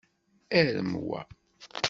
Arem wa!